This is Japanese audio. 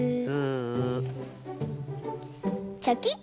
チョキッと！